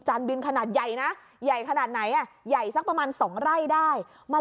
จานบินขนาดใหญ่นะใหญ่ขนาดไหนะใหญ่ซักประมาณ๒ได้มา